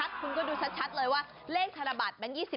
นะเอาอั้นเลยว่าเลขธนบัติ